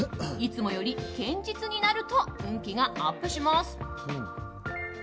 いつもより堅実になると運気がアップします。